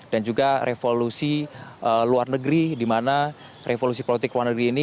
dan juga revolusi luar negeri di mana revolusi politik luar negeri ini